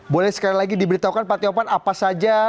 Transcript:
boleh sekali lagi diberitahukan pak tiopan apa saja